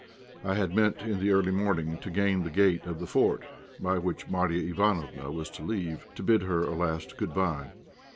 I had meant in the early morning to gain the gate of the fort, by which Marya Ivánofna was to leave, to bid her a last good bye.